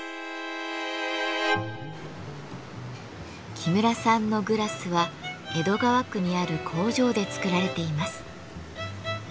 木村さんのグラスは江戸川区にある工場で作られています。